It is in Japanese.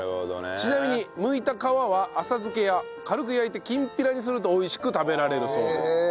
ちなみにむいた皮は浅漬けや軽く焼いてきんぴらにすると美味しく食べられるそうです。